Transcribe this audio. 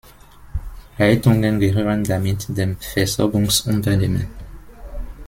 Leitungen gehören damit dem Versorgungsunternehmen.